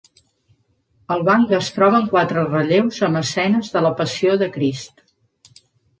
Al banc es troben quatre relleus amb escenes de la Passió de Crist.